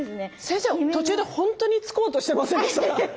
先生途中で本当に突こうとしてませんでした？